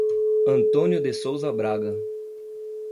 Antônio de Souza Braga